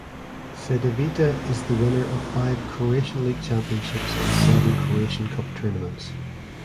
Cedevita is the winner of five Croatian League Championships and seven Croatian Cup tournaments.